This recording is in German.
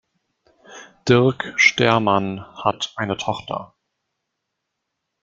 Dirk Stermann hat eine Tochter.